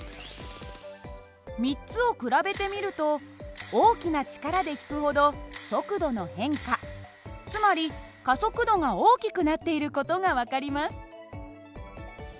３つを比べてみると大きな力で引くほど速度の変化つまり加速度が大きくなっている事が分かります。